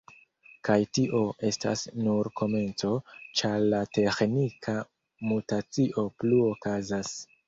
Kaj tio estas nur komenco, ĉar la teĥnika mutacio plu okazas.